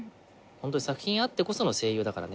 ホントに作品あってこその声優だからね。